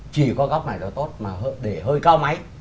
chỉ có góc này là tốt mà để hơi cao máy